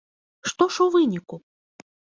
Што ж у выніку?